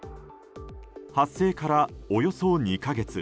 発生からおよそ２か月。